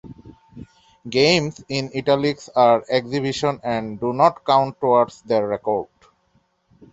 Games in "Italics" are Exhibition and do not count towards their record.